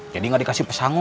jadi gak dikasih pesangon